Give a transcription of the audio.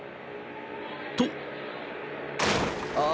［と］